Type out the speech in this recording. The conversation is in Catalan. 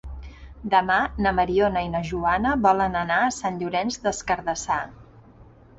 Demà na Mariona i na Joana volen anar a Sant Llorenç des Cardassar.